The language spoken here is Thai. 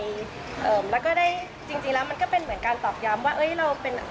แล้วก็ได้จริงแล้วมันก็เป็นเหมือนการตอบย้ำว่า